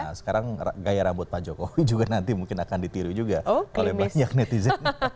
nah sekarang gaya rambut pak jokowi juga nanti mungkin akan ditiru juga oleh banyak netizen